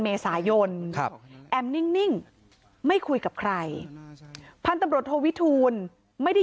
เมษายนครับแอมนิ่งไม่คุยกับใครพันธุ์ตำรวจโทวิทูลไม่ได้